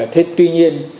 thế tuy nhiên